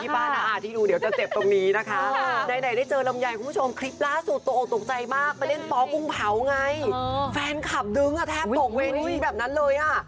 ปกรุงเผาไงแฟนคลับดึงอ่ะแทบตกเวรี่แบบนั้นเลยอ่ะ